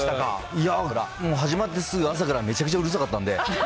いや、始まってすぐ朝からめちゃくちゃうるさかったんで。